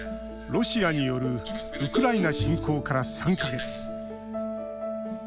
ロシアによるウクライナ侵攻から３か月。